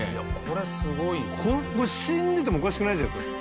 これ死んでてもおかしくないじゃないですか。